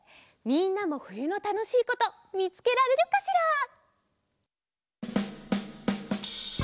みんなもふゆのたのしいことみつけられるかしら？